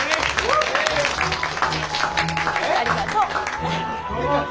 ありがとう。